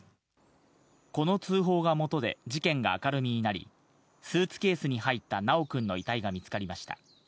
この通報がもとで事件が明るみになり、スーツケースに入った修くんの遺体が見つかりました。